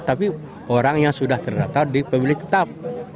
tapi orang yang sudah terdata di pemilih tetap